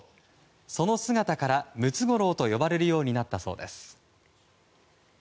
その姿から、ムツゴロウと呼ばれるようになったそうです。